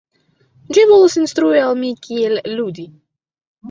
Ĝi volas instrui al mi kiel ludi